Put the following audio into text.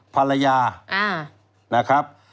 ภรรยานะครับ